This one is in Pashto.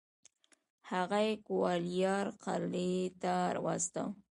هغه یې ګوالیار قلعې ته واستوه.